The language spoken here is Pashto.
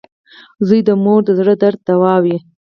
• زوی د مور د زړۀ درد دوا وي.